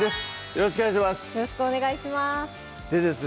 よろしくお願いします